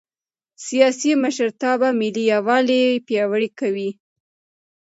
سیاسي مشرتابه ملي یووالی پیاوړی کوي